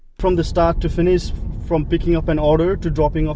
dari mulai sampai selesai dari menangkap perintah ke menurunkan perintah